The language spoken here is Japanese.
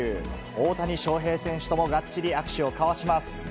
大谷翔平選手ともがっちり握手を交わします。